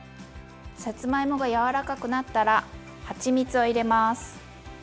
さつまいもが柔らかくなったらはちみつを入れます。